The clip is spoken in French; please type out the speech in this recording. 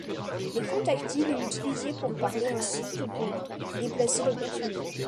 L'écran tactile est utilisé pour parler ainsi que pour déplacer le personnage.